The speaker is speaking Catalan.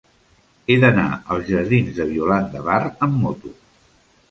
He d'anar als jardins de Violant de Bar amb moto.